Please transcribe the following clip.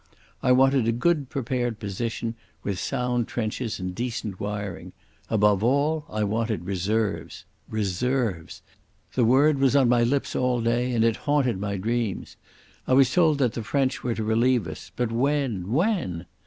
I wanted a good prepared position, with sound trenches and decent wiring. Above all I wanted reserves—reserves. The word was on my lips all day and it haunted my dreams. I was told that the French were to relieve us, but when—when?